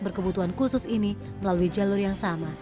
berkebutuhan khusus ini melalui jalur yang sama